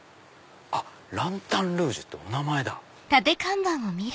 ランタンルージュってお名前だ。